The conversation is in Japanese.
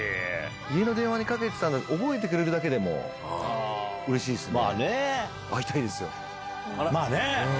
家の電話にかけてたのを覚えてくれてるだけでもうれしいですね。